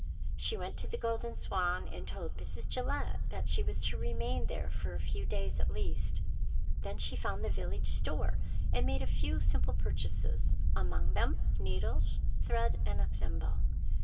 She went to the Golden Swan, and told Mrs. Gillette that she was to remain there for a few days at least, then she found the village store and made a few simple purchases, among them needles, thread, and a thimble.